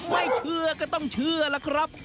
ไม่เชื่อก็ต้องเชื่อล่ะครับ